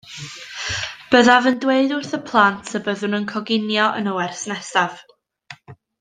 Byddaf yn dweud wrth y plant y byddwn yn coginio yn y wers nesaf